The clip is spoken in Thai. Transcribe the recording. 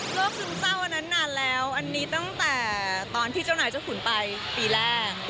ซึมเศร้าอันนั้นนานแล้วอันนี้ตั้งแต่ตอนที่เจ้านายเจ้าขุนไปปีแรก